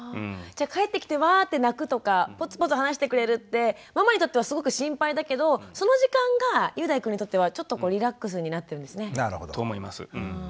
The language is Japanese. じゃあ帰ってきてわって泣くとかポツポツ話してくれるってママにとってはすごく心配だけどその時間がゆうだいくんにとってはちょっとリラックスになってるんですね。と思います。